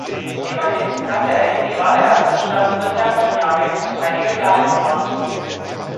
Immerhin hatte er in die gerade erst entstandene Thermodynamik noch einige Klarheit gebracht.